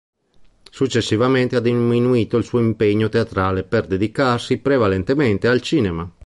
Successivamente ha diminuito il suo impegno teatrale per dedicarsi prevalentemente al cinema.